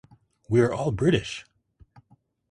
We are all British!